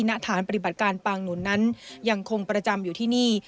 ณฐานปฏิบัติการปางหนุนนั้นยังคงประจำอยู่ที่นี่